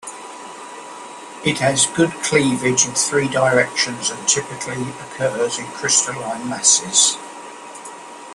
It has good cleavage in three directions and typically occurs in crystalline masses.